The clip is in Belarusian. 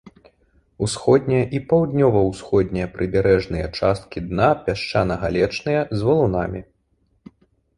Усходняя і паўднёва-ўсходняя прыбярэжныя часткі дна пясчана-галечныя з валунамі.